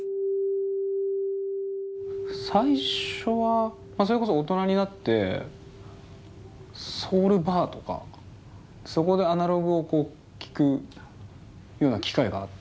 最初はそれこそ大人になってソウルバーとかそこでアナログを聴くような機会があって。